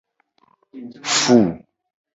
Fu.